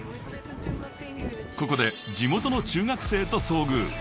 ［ここで地元の中学生と遭遇］